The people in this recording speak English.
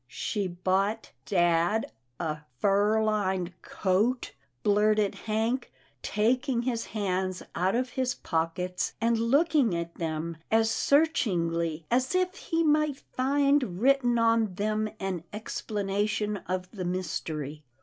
" She — bought — dad — a — fur lined — coat/* blurted Hank, taking his hands out of his pockets, and looking at them as searchingly as if he might find written on them an explanation of the mystery.